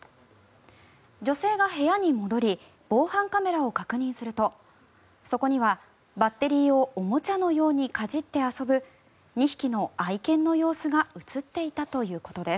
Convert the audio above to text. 女性が部屋に戻り防犯カメラを確認するとそこにはバッテリーをおもちゃのようにかじって遊ぶ２匹の愛犬の様子が映っていたということです。